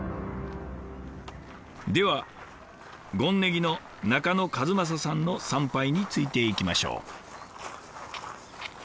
では権宜の中野和正さんの参拝についていきましょう。